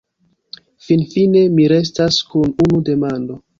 Finfine, mi restas kun unu demando.